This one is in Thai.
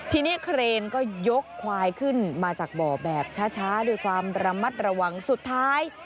ทีนี้เครนก็ยกควายขึ้นมาจากบ่อแบบช้าด้วยความระมัดระวังสุดท้าย